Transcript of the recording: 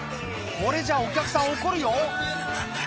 これじゃあお客さん怒るよハハハ！